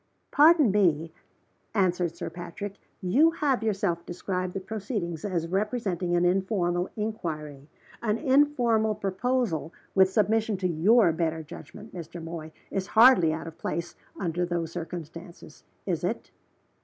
"Pardon me," answered Sir Patrick. "You have yourself described the proceedings as representing an informal inquiry. An informal proposal with submission to your better judgment, Mr. Moy is hardly out of place, under those circumstances, is it?"